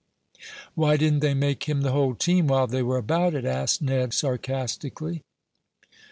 "Why didn't they make him the whole team while they were about it?" asked Ned, sarcastically.